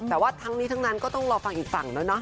แต่ว่าทั้งนี้ทั้งนั้นก็ต้องรอฟังอีกฝั่งแล้วเนาะ